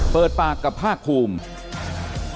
เปิดปากกับภาคภูมิ